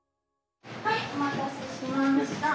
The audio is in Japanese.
はいお待たせしました。